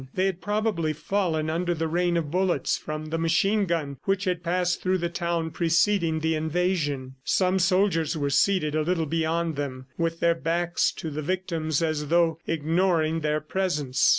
They had probably fallen under the rain of bullets from the machine gun which had passed through the town preceding the invasion. Some soldiers were seated a little beyond them, with their backs to the victims, as though ignoring their presence.